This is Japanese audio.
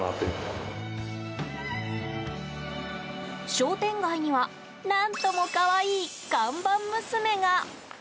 商店街には何とも可愛い看板娘が。